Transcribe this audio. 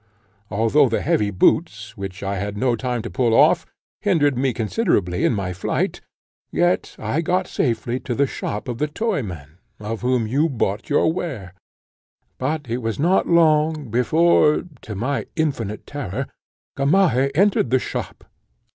Although the heavy boots, which I had no time to pull off, hindered me considerably in my flight, yet I got safely to the shop of the toyman, of whom you bought your ware; but it was not long, before, to my infinite terror, Gamaheh entered the shop.